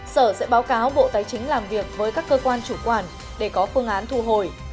sở sẽ báo cáo bộ tài chính làm việc với các cơ quan chủ quản để có phương án thu hồi